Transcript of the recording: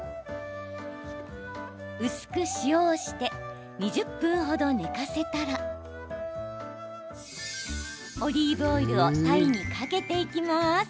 薄く塩をして２０分程、寝かせたらオリーブオイルを鯛にかけていきます。